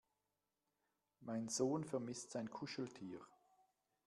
Mein Sohn vermisst sein Kuscheltier.